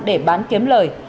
để bán kiếm lời